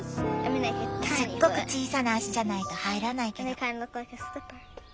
すっごく小さな足じゃないと入らないけど。